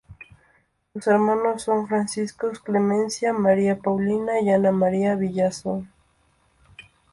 Sus hermanos son Francisco, Clemencia, María Paulina y Ana María Villazón.